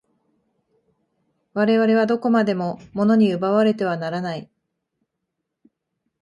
我々はどこまでも物に奪われてはならない。